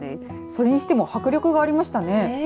それにしても迫力がありましたね。